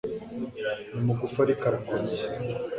Ni mugufi ariko arakomeye